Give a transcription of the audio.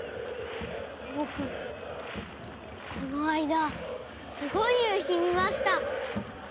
ぼくこのあいだすごいゆうひみました！